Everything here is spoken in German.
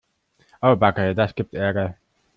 Au backe, das gibt Ärger.